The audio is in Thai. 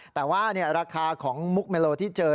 แต่ว่าราคาของมุกเมโลที่เจอ